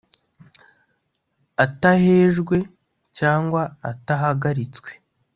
atahejwe cyangwa atahagaritswe